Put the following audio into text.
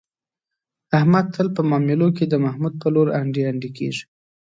احمد تل په معاملو کې، د محمود په لور انډي انډي کېږي.